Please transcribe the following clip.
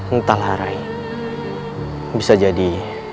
entahlah ray bisa jadi